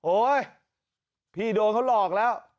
โอ๊ยพี่โดนเขาหลอกแล้ว